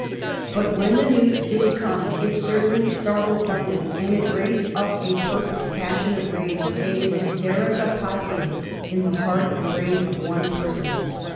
But when the news did come it certainly startled London, and it raised up a per fect passion of rage, a hysterica pcusioy in the heart and brain of one person.